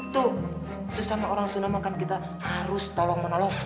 tuh sesama orang sunamakan kita harus tolong menolong